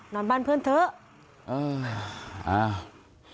นอนบ้านเพื่อนเถอะ